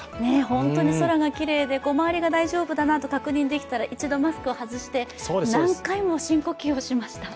ホントに空がきれいで、周りが大丈夫だなと確認できたら、一度マスクを外して何回も深呼吸をしました。